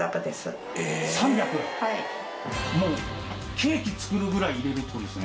ケーキ作るぐらい入れるって事ですね。